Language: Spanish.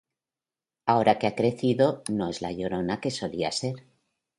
Ahora que ha crecido no es la llorona que solía ser.